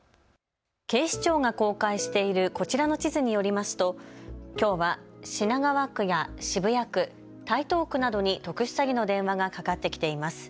警視庁が公開しているこちらの地図によりますときょうは品川区や渋谷区、台東区などに特殊詐欺の電話がかかってきています。